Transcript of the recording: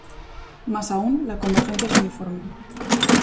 Más aún, la convergencia es uniforme.